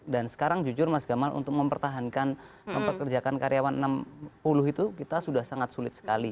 dan sekarang jujur mas gamal untuk mempertahankan memperkerjakan karyawan enam puluh itu kita sudah sangat sulit sekali